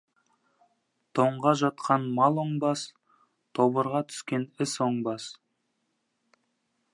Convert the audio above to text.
Тоңға жатқан мал оңбас, тобырға түскен іс оңбас.